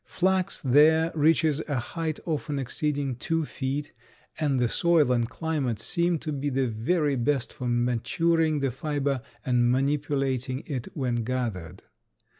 Flax there reaches a height often exceeding two feet and the soil and climate seem to be the very best for maturing the fiber and manipulating it when gathered.